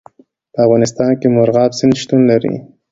په افغانستان کې مورغاب سیند شتون لري.